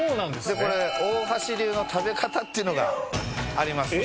でこれ大橋流の食べ方っていうのがあります。